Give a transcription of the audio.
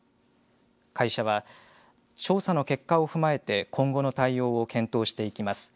会社は調査の結果を踏まえて今後の対応を検討していきます。